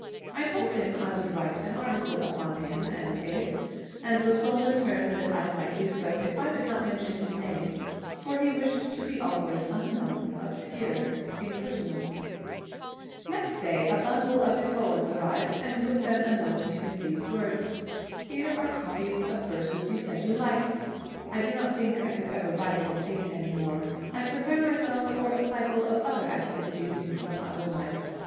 I told him I would write an article upon him and it, and was told in turn that I might do so if I did not mention his name, for he wished to be 17 c The always 'unknown, obscure, impersonal.' Celtic . Twilight. Next day a bundle of his poems arrived, and with them a note in these words : 1 Here are copies of verses you said you liked. I do not think I could ever write or paint any more. I prepare myself for a cycle of other activities in some other life.